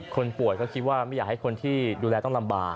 คนป่วยก็คิดว่าไม่อยากให้คนที่ดูแลต้องลำบาก